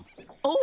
お。